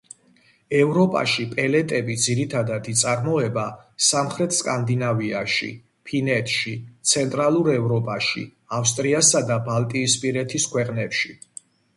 ევროპაში პელეტები ძირითადად იწარმოება სამხრეთ სკანდინავიაში, ფინეთში, ცენტრალურ ევროპაში, ავსტრიასა და ბალტიისპირეთის ქვეყნებში.